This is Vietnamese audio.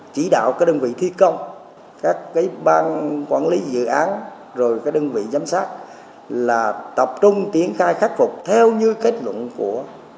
chỉ đạo các đơn vị thi công các bang quản lý dự án rồi các đơn vị giám sát là tập trung triển khai khắc phục theo như kết luận của